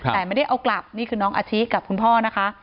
แต่ไม่ได้เอากลับนี่คือน้องอาชิกับคุณพ่อนะคะ